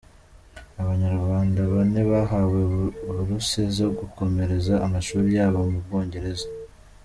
Abanyarwanda bane bahawe Buruse zo gukomereza amashuri yabo mu Bwongereza